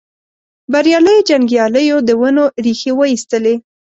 بریالیو جنګیالیو د ونو ریښې وایستلې.